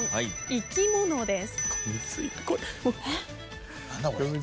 生き物です。